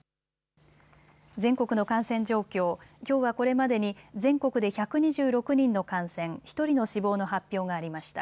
全国の感染状況、きょうはこれまでに全国で１２６人の感染、１人の死亡の発表がありました。